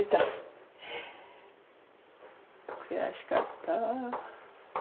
悔しかったわ。